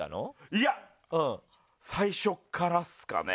いや、最初からですかね。